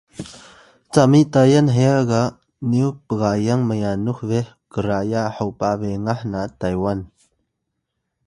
cami Tayal heya ga nyu pgayang m’yanux beh kraya hopa bengah na Taywan